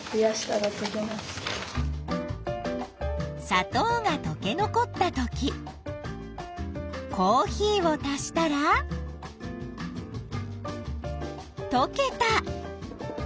さとうがとけ残ったときコーヒーを足したらとけた。